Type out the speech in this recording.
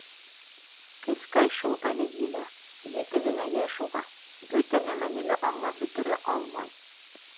Кескәй шул әле Зилә, ете генә йәш уға, бөтә нәмәне лә аңлап бөтөрә алмай...